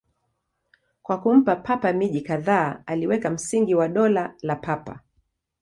Kwa kumpa Papa miji kadhaa, aliweka msingi wa Dola la Papa.